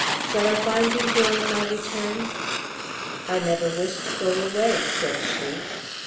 "Shall I find you here, on my return?" "I never wish to go away," said she.